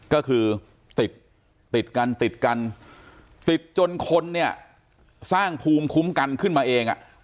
ก็คือติดติดกันติดกันติดจนคนเนี่ยสร้างภูมิคุ้มกันขึ้นมาเอง